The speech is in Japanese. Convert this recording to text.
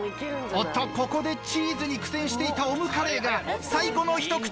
おっとここでチーズに苦戦していたオムカレーが最後の１口。